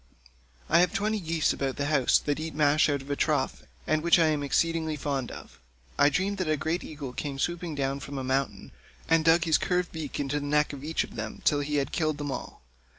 I have twenty geese about the house that eat mash out of a trough,155 and of which I am exceedingly fond. I dreamed that a great eagle came swooping down from a mountain, and dug his curved beak into the neck of each of them till he had killed them all.